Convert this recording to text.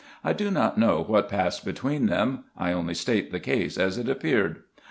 I do not know what passed between them ; I only state the case as it appeared.